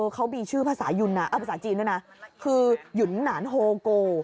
เขามีชื่อภาษาจีนด้วยนะคือหยุ่นนานโฮโก